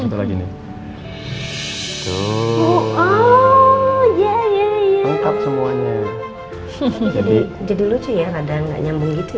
jadi lucu ya ada nggak nyambung gitu ya